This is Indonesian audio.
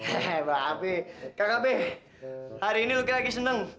hei babe kakabe hari ini luki lagi seneng